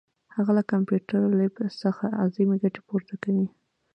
هغه له کمپیوټر لیب څخه اعظمي ګټه پورته کوي.